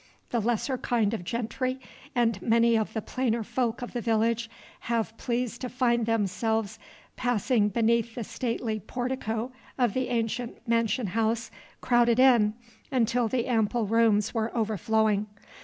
The lesser kind of gentry, and many of the plainer folk of the village, half pleased to find themselves passing beneath the stately portico of the ancient mansion house, crowded in, until the ample rooms were overflowing.